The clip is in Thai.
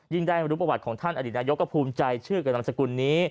ได้รู้ประวัติของท่านอดีตนายกก็ภูมิใจชื่อกับนามสกุลนี้